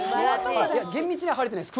厳密には晴れてないです。